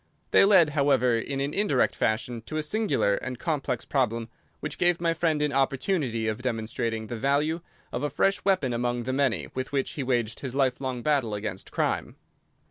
They led, however, in an indirect fashion to a singular and complex problem which gave my friend an opportunity of demonstrating the value of a fresh weapon among the many with which he waged his life long battle against crime.